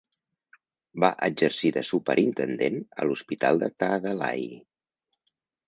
Va exercir de superintendent a l'Hospital de Tadalay.